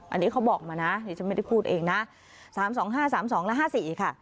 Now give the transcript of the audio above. อันนี้เขาบอกมานะดิฉันไม่ได้พูดเองนะ๓๒๕๓๒และ๕๔ค่ะ